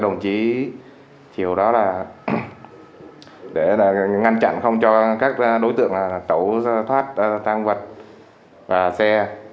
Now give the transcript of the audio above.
đồng chí triều đó là để ngăn chặn không cho các đối tượng tẩu thoát thang vật và xe